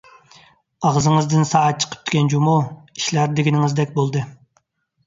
ئاغزىڭىزدىن سائەت چىقىپتىكەن جۇمۇ، ئىشلار دېگىنىڭىزدەك بولدى.